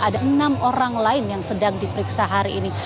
ada enam orang lain yang sedang diperiksa hari ini